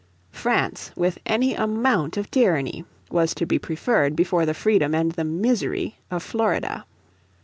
France with any amount of tyranny was to be preferred before the freedom and the misery of Florida.